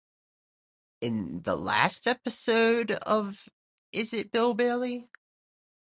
In the last episode of Is It Bill Bailey?